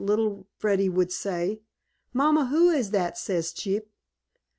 little Freddy would say. "Mamma, who is it says 'cheep'?"